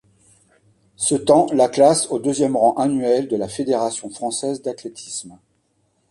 Ce temps la classe au deuxième rang annuel de la Fédération française d'athlétisme.